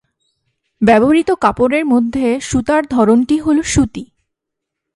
ব্যবহৃত কাপড়ের মধ্যে সুতার ধরনটি হল সুতি।